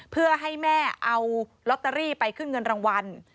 เพื่อให้แม่เอาลอตเตอรี่ไปขึ้นเงินรางวัล